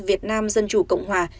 việt nam dân chủ cộng hòa